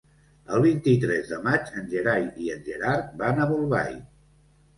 El vint-i-tres de maig en Gerai i en Gerard van a Bolbait.